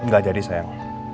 gak jadi sayang